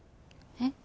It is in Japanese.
えっ？